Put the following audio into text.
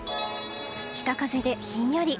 北風でひんやり。